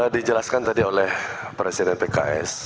dijelaskan tadi oleh presiden pks